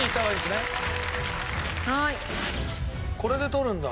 これで取るんだ。